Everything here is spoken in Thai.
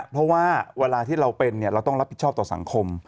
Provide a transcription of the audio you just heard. เพราะว่าเวลาที่เราเป็นเราต้องรับผิดชอบต่อสังคม